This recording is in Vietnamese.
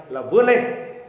là vứa lên